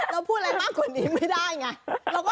เราพูดอะไรมากกว่านี้ไม่ได้ไง